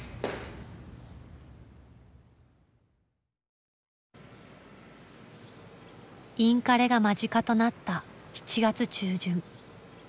やっぱりこうインカレが間近となった７月中旬。